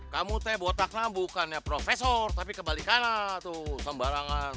kamu teh botaknya bukan ya profesor tapi kebalikanlah tuh sembarangan